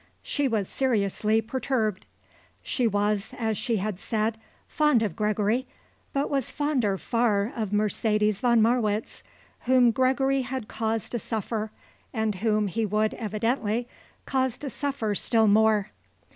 She was seriously perturbed. She was, as she had said, fond of Gregory, but she was fonder, far, of Mercedes von Marwitz, whom Gregory had caused to suffer and whom he would, evidently, cause to suffer still more.